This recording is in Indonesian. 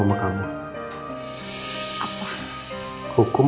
aman kamu s openings